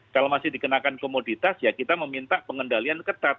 kalau masih dikenakan komoditas ya kita meminta pengendalian ketat